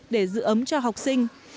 để giữ ấm cho học sinh